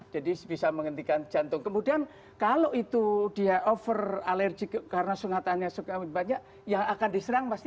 jadi bisa menghentikan jantung kemudian kalau itu dia over alerjik karena sengatannya suka banyak yang akan diserang pasti